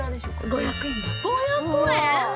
５００円！